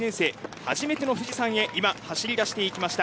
初めての富士山へ走り出していきました。